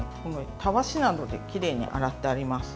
たわしなどできれいに洗ってあります。